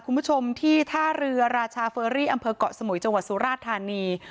คุณผู้ชมที่ท่าเรือราชาเฟอรี่อำเภอกเกาะสมุยจังหวัดสุราชธานี